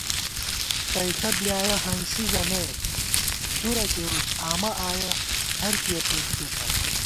تئیݪہ بۡلیایَہ ہنسی ژَمېت ، تُرہ کېرُس آمہ آیَہ ہرکِیہ څېٹِکےپت